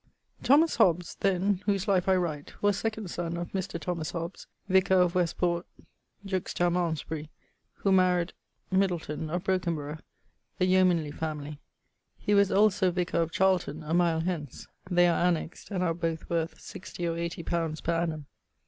_> Thomas Hobbes[FG], then, whose life I write, was second son of Mr. Thomas Hobbes, vicar of Westport juxta Malmesbury, who maried ... Middleton of Brokinborough (a yeomanly family).He was also vicar of Charlton (a mile hence): they are annexed, and are both worth 60 or 80_li._ per annum.